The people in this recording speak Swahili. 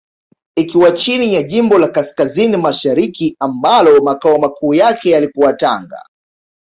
Ikiwa chini ya jimbo la Kaskazini Mashariki ambalo Makao Makuu yake yalikuwa Tanga